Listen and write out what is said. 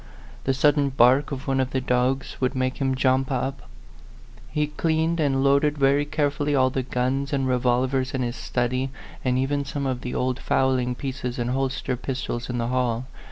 The sudden bark of one of the dogs would make him jump up. He cleaned and loaded very carefully all the guns and re volvers in his study, and even some of the old fowling pieces and holster pistols in the hall.